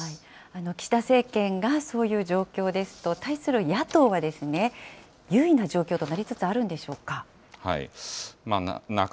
岸田政権がそういう状況ですと、対する野党は、優位な状況となりつつあるんでしょうか？